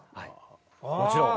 もちろん。